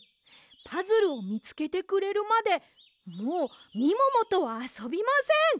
パズルをみつけてくれるまでもうみももとはあそびません！